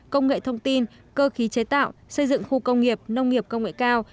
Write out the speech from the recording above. công nghệ thông tin cơ khí chế tạo xây dựng khu công nghiệp nông nghiệp công nghệ cao